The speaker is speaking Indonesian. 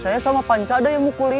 saya sama pancada yang mukulin